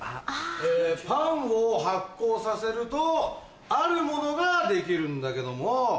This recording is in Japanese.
パンを発酵させるとあるものが出来るんだけども。